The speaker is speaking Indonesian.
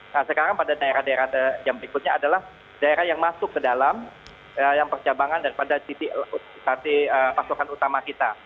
nah sekarang pada daerah daerah yang berikutnya adalah daerah yang masuk ke dalam yang percabangan daripada titik pasokan utama kita